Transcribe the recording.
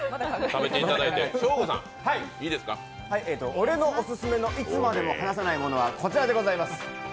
俺のオススメのいつまでも離さないものは、こちらでございます。